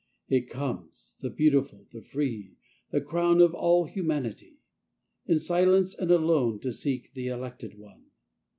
It comes, — the beautiful, the free, Tl: >wn of all humanity, — In silence and alone 2Q To seek the elected one.